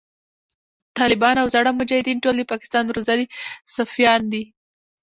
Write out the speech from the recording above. ټالبان او زاړه مجایدین ټول د پاکستان روزلی سفیان دی